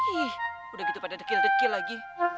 ih udah gitu pada tekil dekil lagi